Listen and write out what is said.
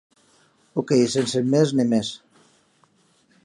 Òc, sense mès ne mès.